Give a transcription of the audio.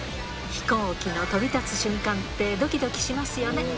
飛行機の飛び立つ瞬間ってどきどきしますよね。